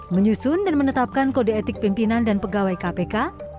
menyusun dan menetapkan kode etik pimpinan dan pegawai kpk